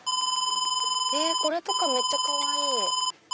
これとかめっちゃかわいい！